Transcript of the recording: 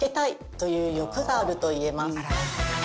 という欲があると言えます。